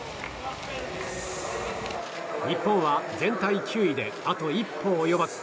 日本は全体９位であと一歩及ばず。